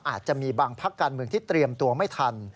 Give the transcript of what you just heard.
อาจจะมีบางพักการเมืองที่เตรียมตัวไม่ทัน